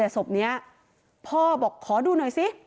ศพนี้พ่อบอกขอดูหน่อยสิ